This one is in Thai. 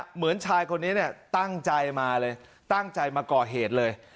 เหมือนชายคนนี้เนี่ยตั้งใจมาเลยตั้งใจมาก่อเหตุเลย